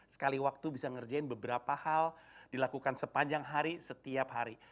sekali waktu bisa ngerjain beberapa hal dilakukan sepanjang hari setiap hari